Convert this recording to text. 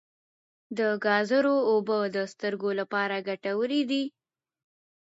د ګازرو اوبه د سترګو لپاره ګټورې دي.